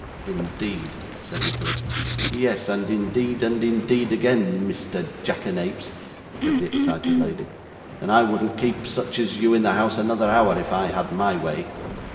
'Indeed!' said Nicholas. 'Yes; and indeed and indeed again, Mister Jackanapes,' said the excited lady; 'and I wouldn't keep such as you in the house another hour, if I had my way.